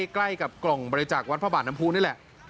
ใกล้กับกล่องบริจาควัดพระบาทน้ำพูนี่แหละ